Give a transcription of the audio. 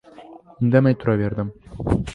Indamay turaverdim.